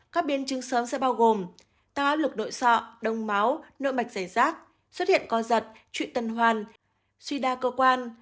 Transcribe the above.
các biên chứng sớm sẽ bao gồm tá lực nội sọ đông máu nội mạch giải rác xuất hiện co giật trụi tân hoan suy đa cơ quan